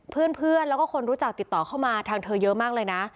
เพื่อนแล้วก็คนรู้จักติดต่อเข้ามาทางเธอเยอะมากเลยนะ